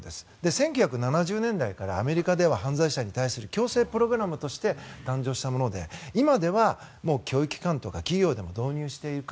１９７０年代からアメリカでは犯罪者に対する矯正プログラムとして誕生したもので今では教育機関とか企業でも導入している。